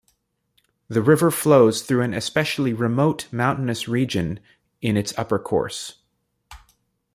The river flows through an especially remote mountainous region in its upper course.